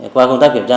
qua công tác kiểm tra